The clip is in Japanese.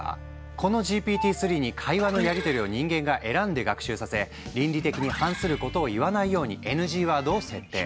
このＧＰＴ−３に会話のやりとりを人間が選んで学習させ倫理的に反することを言わないようにＮＧワードを設定。